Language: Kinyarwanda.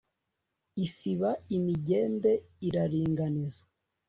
Isiba imigende iraringaniza.